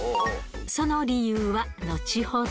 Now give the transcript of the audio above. その理由は後ほど。